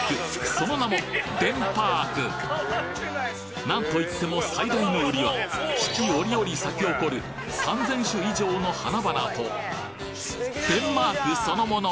その名もなんといっても最大の売りは四季折々咲き誇る３，０００種以上の花々とデンマークそのもの！